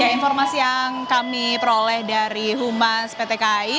informasi yang kami peroleh dari humas pt kai